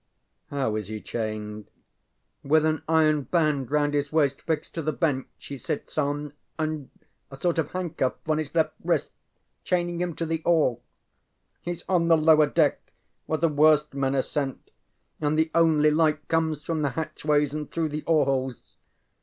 ŌĆØ ŌĆ£How is he chained? ŌĆØ ŌĆ£With an iron band round his waist fixed to the bench he sits on, and a sort of handcuff on his left wrist chaining him to the oar. HeŌĆÖs on the lower deck where the worst men are sent, and the only light comes from the hatchways and through the oar holes.